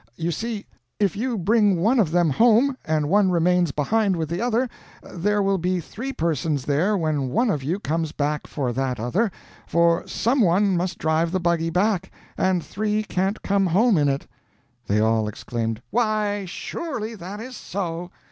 You see, if you bring one of them home, and one remains behind with the other, there will be three persons there when one of you comes back for that other, for some one must drive the buggy back, and three can't come home in it." They all exclaimed, "Why, sure ly, that is so!"